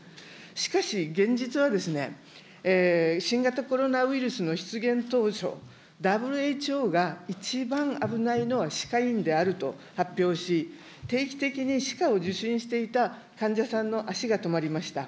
しかし、現実はですね、新型コロナウイルスの出現当初、ＷＨＯが一番危ないのは歯科医院であると発表し、定期的に歯科を受診していた患者さんの足が止まりました。